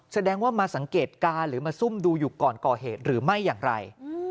แสดงว่ามาสังเกตการณ์หรือมาซุ่มดูอยู่ก่อนก่อเหตุหรือไม่อย่างไร